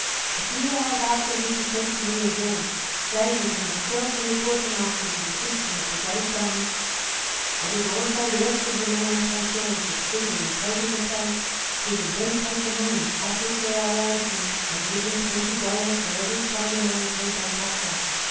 A few hours afterwards he sent to me again, saying, that if myself and the quartermaster would assist them at the great guns, that if also the rest of the men went on shore and succeeded in taking the place, he would then take the money offered for our ransom, and give them twenty dollars for every Chinaman's head they cut off.